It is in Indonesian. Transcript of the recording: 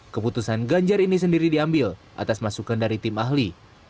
keputusan ganjar ini sendiri diambil atas masukan dari tim ahli